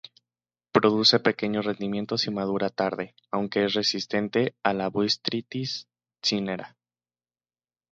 Produce pequeños rendimientos y madura tarde, aunque es resistente a la botrytis cinerea.